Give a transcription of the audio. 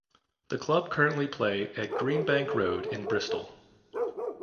The club currently play at Greenbank Road in Bristol.